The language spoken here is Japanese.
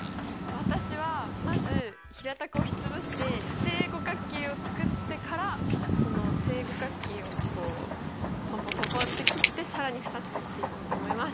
私はまず平たく押し潰して正五角形を作ってからその正五角形をこうポンポンポンポンって切って更に２つにしていこうと思います。